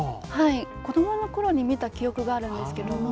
子どものころに見た記憶があるんですけども。